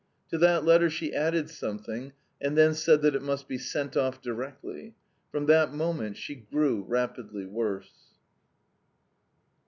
To that letter she added something, and then said that it must be sent off directly. From that moment she grew, rapidly worse."